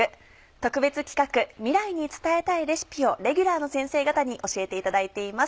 特別企画「未来に伝えたいレシピ」をレギュラーの先生方に教えていただいています。